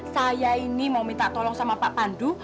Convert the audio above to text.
saya ini mau minta tolong sama pak pandu